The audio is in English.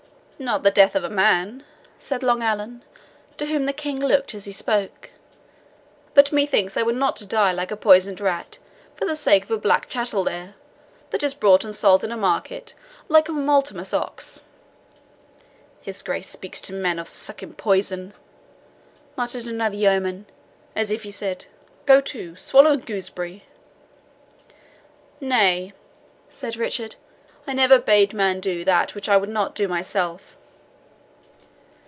"Not the death of a man," said Long Allen, to whom the King looked as he spoke; "but methinks I would not die like a poisoned rat for the sake of a black chattel there, that is bought and sold in a market like a Martlemas ox." "His Grace speaks to men of sucking poison," muttered another yeoman, "as if he said, 'Go to, swallow a gooseberry!'" "Nay," said Richard, "I never bade man do that which I would not do myself."